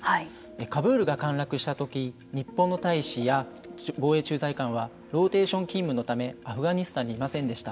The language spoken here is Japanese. カブールが陥落したとき日本の大使や防衛駐在官はローテーション勤務のためアフガニスタンにいませんでした。